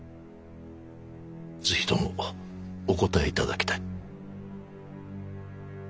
是非ともお答えいただきたい。